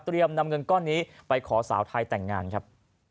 นำเงินก้อนนี้ไปขอสาวไทยแต่งงานครับ